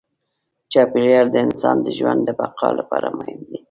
چاپېریال د انسان د ژوند د بقا لپاره مهم دی.